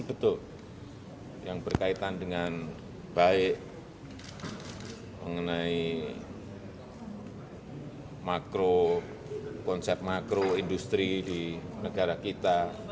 bentuk yang berkaitan dengan baik mengenai makro konsep makro industri di negara kita